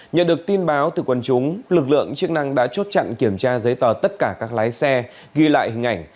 nhận được tin báo từ quân chúng lực lượng chức năng đã chốt chặn kiểm tra giấy tờ tất cả các lái xe ghi lại hình ảnh